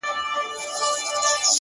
• گرانه شاعره صدقه دي سمه؛